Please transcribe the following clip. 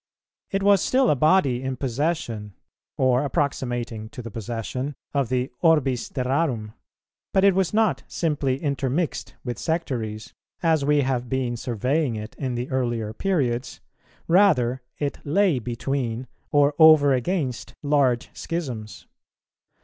It was still a body in possession, or approximating to the possession, of the orbis terrarum; but it was not simply intermixed with sectaries, as we have been surveying it in the earlier periods, rather it lay between or over against large schisms.